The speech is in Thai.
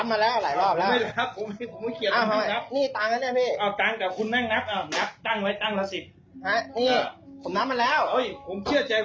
ไม่เกี่ยวกันหรอกทำผิดแล้วก็ยอมรับผิดไป